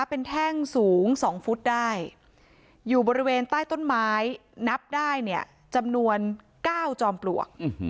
เป็นแท่งสูง๒ฟุตได้อยู่บริเวณใต้ต้นไม้นับได้เนี่ยจำนวน๙จอมปลวก